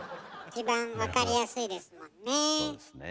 一番分かりやすいですもんね。